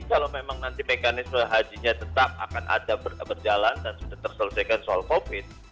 kalau memang nanti mekanisme hajinya tetap akan ada berjalan dan sudah terselesaikan soal covid